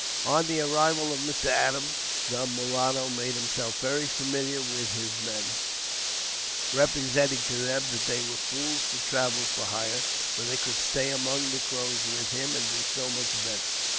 On the arrival of Mr. Adams, the mulatto made himself very familiar with his men, representing to them that they were fools to travel for hire, when they could stay among the Crows with him and do so much better.